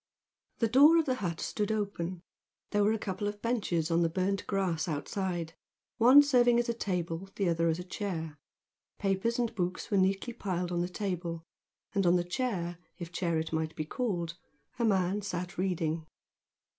The door of the hut stood open; there were a couple of benches on the burnt grass outside, one serving as a table, the other as a chair. Papers and books were neatly piled on the table, and on the chair, if chair it might be called, a man sat reading.